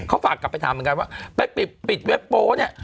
เขาฝากกลับไปถามเหมือนกันว่าไปปิดเว็บโป๊เนี่ย